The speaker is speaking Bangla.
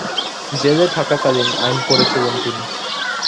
জেলে থাকাকালীন আইন পড়েছিলেন তিনি।